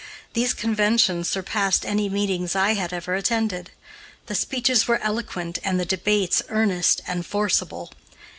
These conventions surpassed any meetings I had ever attended; the speeches were eloquent and the debates earnest and forcible.